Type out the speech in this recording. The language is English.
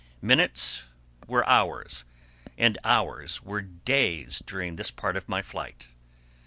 Minutes were hours, and hours were days during this part of my flight.